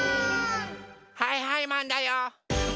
はいはいマンだよ！